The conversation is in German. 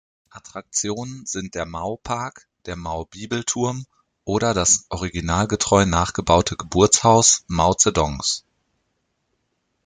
Attraktionen sind der "Mao-Park", der "Mao-Bibelturm" oder das originalgetreu nachgebaute Geburtshaus Mao Zedongs.